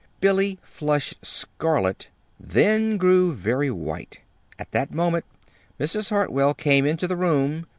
Billy flushed scarlet, then grew very white. At that moment Mrs. Hartwell came into the room.